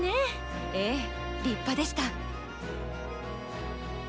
ええ立派でした。